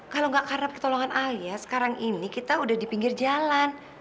kalau nggak karena pertolongan ayah sekarang ini kita udah di pinggir jalan